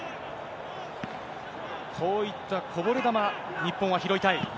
こういったこぼれ球、日本は拾いたい。